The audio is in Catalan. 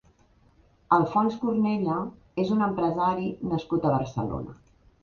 Alfons Cornella és un empresari nascut a Barcelona.